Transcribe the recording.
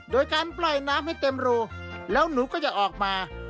โดยการปล่อยน้ำให้เต็มรูแล้วหนูก็จะออกมา